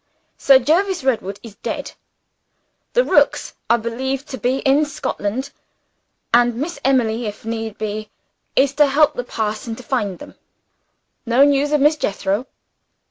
Sir Jervis Redwood is dead. The Rooks are believed to be in Scotland; and Miss Emily, if need be, is to help the parson to find them. No news of Miss Jethro."